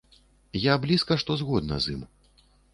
Я блізка што згодна з ім.